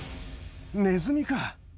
ネズミか。